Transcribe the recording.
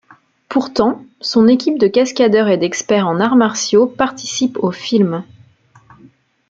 Pourtant, son équipe de cascadeurs et d'experts en arts martiaux participe au film.